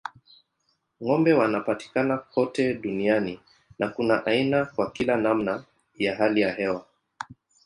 Ng'ombe wanapatikana kote duniani na kuna aina kwa kila namna ya hali ya hewa.